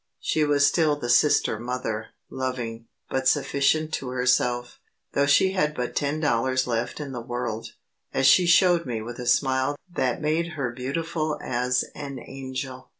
She was still the sister mother, loving, but sufficient to herself, though she had but ten dollars left in the world, as she showed me with a smile that made her beautiful as an angel.